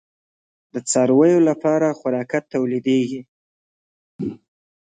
د څارویو لپاره خوراکه تولیدیږي؟